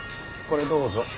これどうぞ。